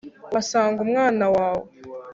uhasanga umwana wawe